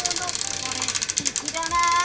これ、すてきだな。